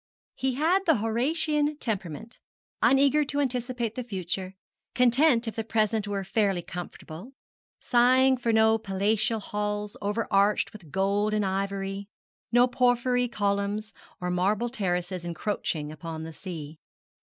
He had the Horatian temperament, uneager to anticipate the future, content if the present were fairly comfortable, sighing for no palatial halls over arched with gold and ivory, no porphyry columns, or marble terraces encroaching upon the sea.